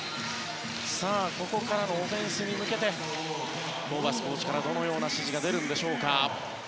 ここからのオフェンスに向けてホーバスコーチからどのような指示が出るか。